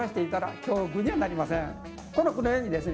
この句のようにですね